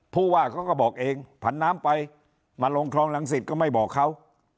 ผู้ว่าเขาก็บอกเองผันน้ำไปมาลงคลองรังสิตก็ไม่บอกเขา